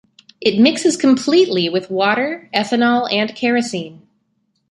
It mixes completely with water, ethanol, and kerosene.